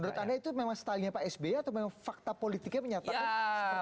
menurut anda itu memang style nya pak sbi atau fakta politiknya menyatakan seperti itu